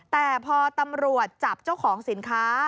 แต่พอตำรวจจับเจ้าของสินค้า